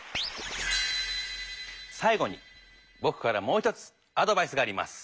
さい後にぼくからもう１つアドバイスがあります。